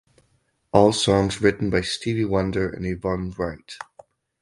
All songs written by Stevie Wonder and Yvonne Wright.